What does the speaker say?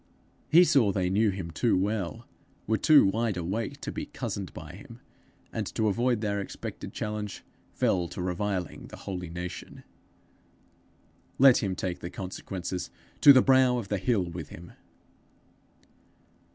He saw they knew him too well, were too wide awake to be cozened by him, and to avoid their expected challenge, fell to reviling the holy nation. Let him take the consequences! To the brow of the hill with him!